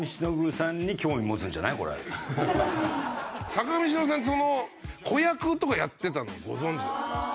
坂上忍さんって子役とかやってたのご存じですか？